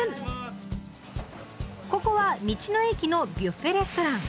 ここは道の駅のビュッフェレストラン。